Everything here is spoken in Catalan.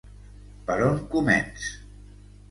Per on començ?